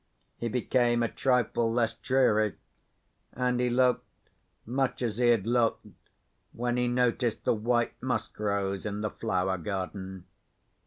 He became a trifle less dreary; and he looked much as he had looked when he noticed the white musk rose in the flower garden.